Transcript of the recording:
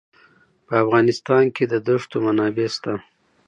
په افغانستان کې د دښتو منابع شته.